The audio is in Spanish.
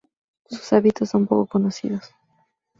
Sus hábitos son poco conocidos.